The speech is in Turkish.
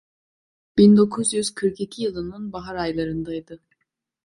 Bin dokuz yüz kırk iki yılının bahar aylarındaydı.